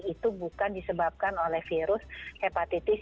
itu bukan disebabkan oleh virus hepatitis